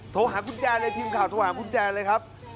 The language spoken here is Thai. โทรหาคุณแจนเลยทีมข่าวโทรหาคุณแจนเลยครับ